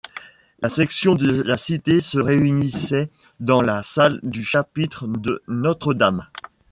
La section de la Cité se réunissait dans la salle du chapitre de Notre-Dame.